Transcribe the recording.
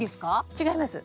違います。